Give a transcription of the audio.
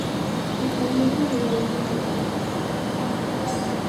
Applications are said to "run on" or "run on top of" the resulting platform.